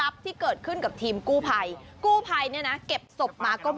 พิชาโทษมาก